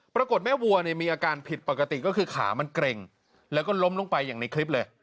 ปรากฏแม่วัวเนี่ยมีอาการผิดปกติก็คือขามันเกร็งแล้วก็ล้มลงไปอย่างในคลิปเลย